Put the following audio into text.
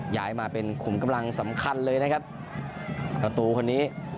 ย้ายมาเป็นขุมกำลังสำคัญเลยนะครับประตูคนนี้